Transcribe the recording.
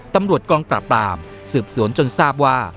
ตำรวจกองปราบปรามสืบสวนจนทราบว่า